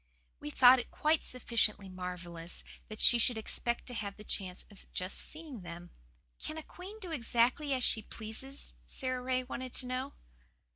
We thought it quite sufficiently marvellous that she should expect to have the chance of just seeing them. "Can a queen do exactly as she pleases?" Sara Ray wanted to know.